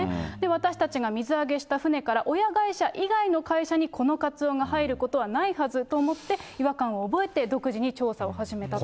私たちが水揚げした船から親会社以外の会社にこのカツオが入ることはないはずと思って、違和感を覚えて、独自に調査を始めたと。